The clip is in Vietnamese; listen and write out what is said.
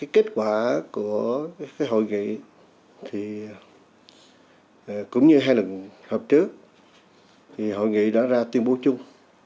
kết quả của hội nghị cũng như hai lần hợp trước hội nghị đã ra tuyên bố chung